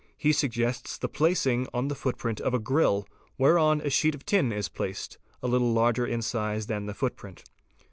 He suggests the placing on the footprint of a grill whereon a sheet of tin is placed, a little larger in size than the footprint.